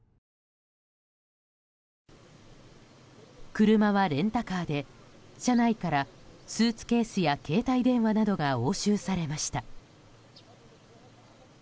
車はレンタカーで車内からスーツケースや携帯電話などが押収されました。